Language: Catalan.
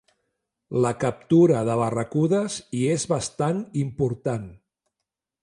La captura de barracudes hi és bastant important.